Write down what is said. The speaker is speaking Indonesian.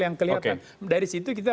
yang kelihatan dari situ kita